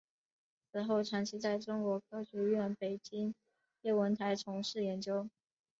此后长期在中国科学院北京天文台从事研究。